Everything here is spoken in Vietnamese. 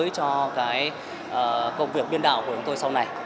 cho cái công việc biên đạo của chúng tôi sau này